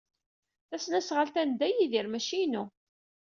Tasnasɣalt-a n Dda Yidir, maci inu.